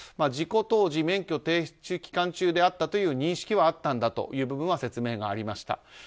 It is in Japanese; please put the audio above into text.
事故当時免許停止期間中であったという認識はあったんだと説明がありました。